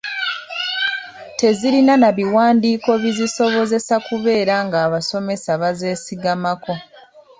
Tezirina na biwandiiko bizisobozesa kubeera ng’abasomesa bazeesigamako.